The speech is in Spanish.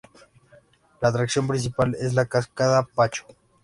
La atracción principal es la Cascada Pacho.